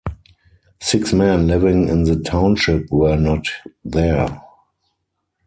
Six men living in the township were not there.